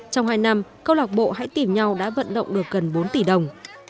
trong hai năm câu lạc bộ hãy tìm nhau đã vận động được gần bốn tỷ đồng